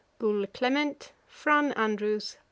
'GUL. CLEMENT. FRAN. ANDREWS.